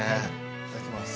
いただきます。